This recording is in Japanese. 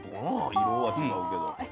色は違うけど。